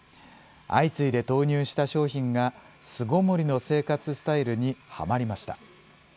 相次いで投入した商品が、巣ごもりの生活スタイルにはまりました。